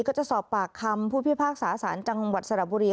ก็จะสอบปากคำผู้พิพากษาสารจังหวัดสระบุรี